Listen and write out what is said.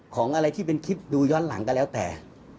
ของอะไรที่เป็นคลิปดูย้อนหลังก็แล้วแต่